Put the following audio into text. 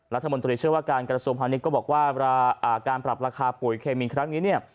รัฐมนตรีเชื่อการกรสวมภาวนิกก็บอกว่าการปรับราคาปุ๋ยเคมีนครั้งนี้